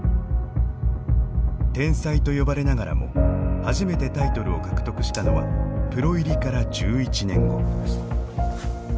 天才と呼ばれながらも初めてタイトルを獲得したのはプロ入りから１１年後。